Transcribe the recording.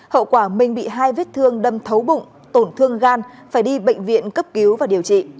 hậu quả minh bị hai vết thương đâm thấu bụng tổn thương gan phải đi bệnh viện cấp cứu và điều trị